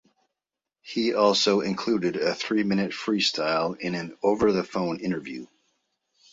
He also included a three-minute freestyle in an over the phone interview.